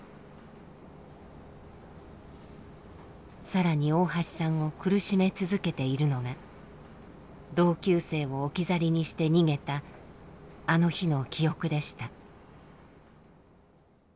更に大橋さんを苦しめ続けているのが同級生を置き去りにして逃げたあの日の記憶でした。